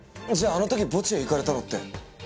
じゃああの時墓地へ行かれたのって。